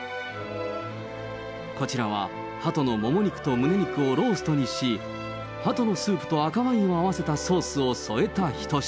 こちらはハトのもも肉とむね肉をローストにし、ハトのスープと赤ワインを合わせたソースを添えた一品。